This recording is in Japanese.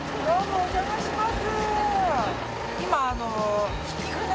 お邪魔します。